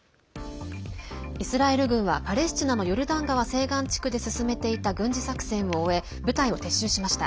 イスラエル軍はパレスチナのヨルダン川西岸地区で進めていた軍事作戦を終え部隊を撤収しました。